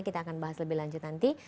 kita akan bahas lebih lanjut nanti